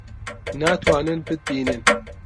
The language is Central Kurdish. ناتوانن بتبینن.